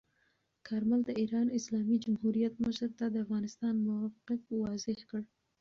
کارمل د ایران اسلامي جمهوریت مشر ته د افغانستان موقف واضح کړ.